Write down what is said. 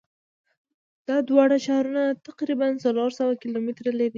دا دواړه ښارونه تقریبآ څلور سوه کیلومتره لری دي.